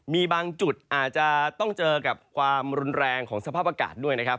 มีบางจุดอาจจะต้องเจอกับความรุนแรงของสภาพอากาศด้วยนะครับ